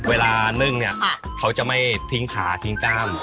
นึ่งเนี่ยเขาจะไม่ทิ้งขาทิ้งกล้าม